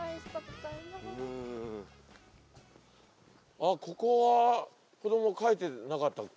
あっここは子ども描いてなかったっけ？